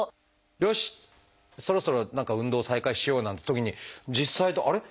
よしそろそろ何か運動を再開しようなんてときに実際とあれ？